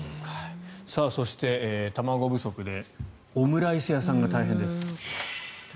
そして卵不足でオムライス屋さんが大変です。